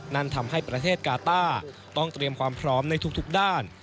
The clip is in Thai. นั่นทำให้ประเทศกาต้าต้องเตรียมความพร้อมในทุกด้าน